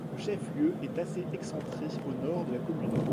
Le chef-lieu est assez excentré au nord de la commune.